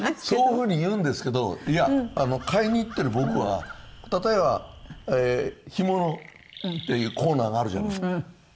そういう風に言うんですけどいや買いに行ってる僕は例えば干物っていうコーナーがあるじゃないですか。